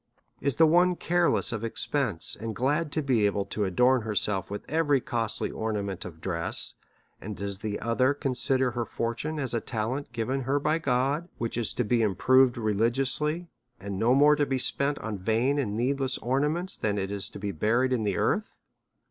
Is the one careless of expence, and glad to be able to adorn her self with every costly ornament of dress ; and does the other consider her fortune as a talent given her by God, which is to be improved religiously, and no more to be spent in vain and needless ornaments than it is to be buried in the earth